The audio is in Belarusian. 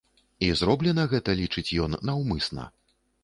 І зроблена гэта, лічыць ён, наўмысна.